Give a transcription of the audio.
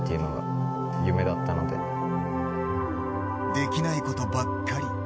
できないことばっかり。